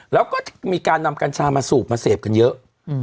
แล้วก็มีการนำกัญชามาสูบมาเสพกันเยอะ